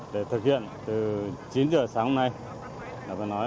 để thực hiện từ chín giờ sáng hôm nay